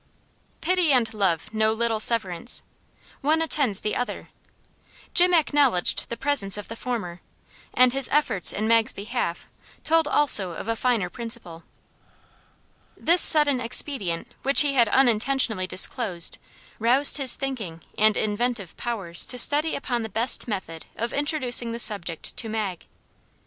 Pity and love know little severance. One attends the other. Jim acknowledged the presence of the former, and his efforts in Mag's behalf told also of a finer principle. This sudden expedient which he had unintentionally disclosed, roused his thinking and inventive powers to study upon the best method of introducing the subject to Mag.